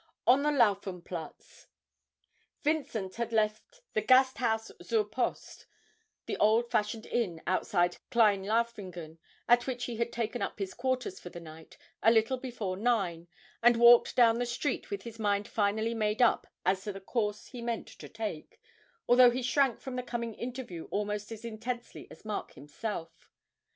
ON THE LAUFENPLATZ. Vincent had left the Gasthaus zur Post, the old fashioned inn outside Klein Laufingen, at which he had taken up his quarters for the night, a little before nine, and walked down the street, with his mind finally made up as to the course he meant to take, although he shrank from the coming interview almost as intensely as Mark himself.